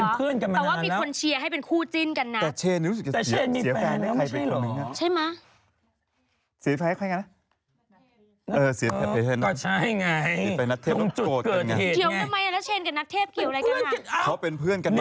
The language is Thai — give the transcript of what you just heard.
ผู้ลักหักเหลมโฆน